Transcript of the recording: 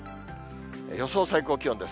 予想最高気温です。